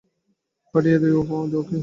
ফাটিয়ে দিও, ওকে?